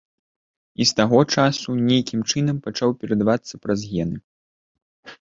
І з таго часу нейкім чынам пачаў перадавацца праз гены.